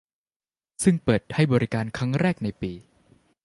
ซึ่งเปิดให้บริการครั้งแรกในปี